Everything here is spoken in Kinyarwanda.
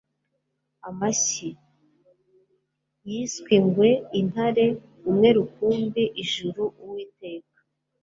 amashyi. yiswe ingwe, intare, umwe rukumbi, ijuru, uwiteka